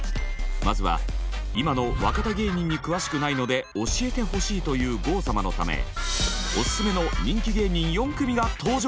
まずは今の若手芸人に詳しくないので教えてほしいという郷様のためオススメの人気芸人４組が登場。